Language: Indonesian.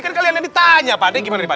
kan kalian yang ditanya apa adek gimana nih